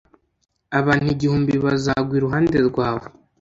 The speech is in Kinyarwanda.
abantu igihumbi bazagwa iruhande rwawe,